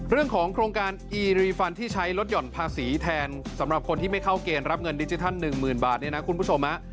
เรื่องของโครงการอีรีฟันที่ใช้ลดหย่อนภาษีแทนสำหรับคนที่ไม่เข้าเกณฑ์รับเงินดิจิทัล๑๐๐๐บาทเนี่ยนะคุณผู้ชม